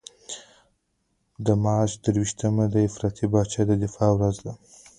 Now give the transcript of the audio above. د مارچ درویشتمه د افراطي پاچا د دفاع ورځ ده.